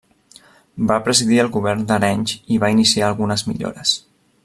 Va presidir el govern d'Arenys i va iniciar algunes millores.